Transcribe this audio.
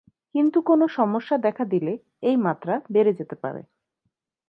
কিন্তু কোনো সমস্যা দেখা দিলে এই মাত্রা বেড়ে যেতে পারে।